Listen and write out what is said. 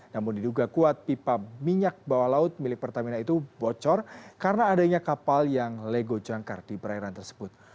namun diduga kuat pipa minyak bawah laut milik pertamina itu bocor karena adanya kapal yang lego jangkar di perairan tersebut